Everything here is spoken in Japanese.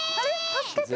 助けて！